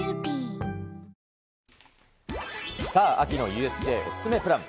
さあ、秋のＵＳＪお勧めプラン。